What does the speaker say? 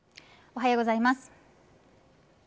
おはようございます。